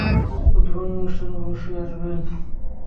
উদ্বোধনী অনুষ্ঠানে অবশ্যই আসবেন।